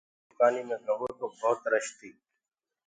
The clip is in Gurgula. ابيٚ مي دُڪآنيٚ مي گوو تو ڀوت رش تيٚ